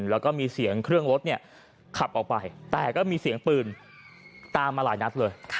แล้วก็มีเสียงเครื่องรถขับออกไปแต่ก็มีเสียงปืนตามมาหลายนัดเลย